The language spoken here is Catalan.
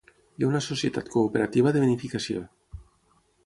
Hi ha una societat cooperativa de vinificació.